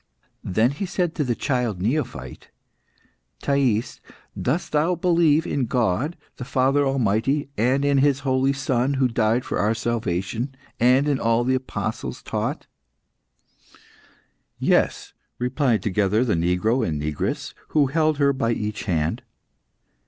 Then he said to the child neophyte "Thais, dost thou believe in God, the Father Almighty; and in His only Son, who died for our salvation; and in all that the apostles taught?" "Yes," replied together the negro and negress, who held her by each hand.